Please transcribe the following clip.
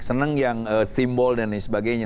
senang yang simbol dan lain sebagainya